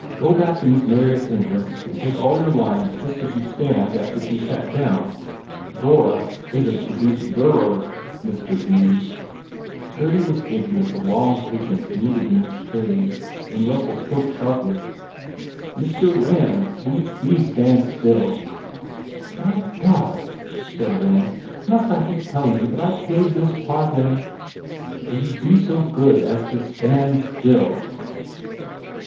Go back to Miss Marryatt s entrance and take all your lines just as you stand after she s sat down. Dora isn t pronounced Durrer, Mr. Hughes." 198 COSMO RAND Gurdy was thinking of the long patience needed in this trade when Russell spoke sharply, u Mr. Rand, will you please stand still!" "My God," said Rand, "must I keep telling you that I played this part in " "Will you be so good as to stand still?"